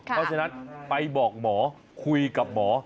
เพราะฉะนั้นไปบอกหมอคุยกับหมอ